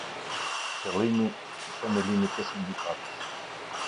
Qëllimi i themelimit të sindikatës.